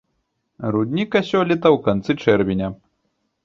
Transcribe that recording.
Рудніка сёлета ў канцы чэрвеня.